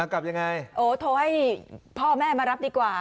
ค่ะ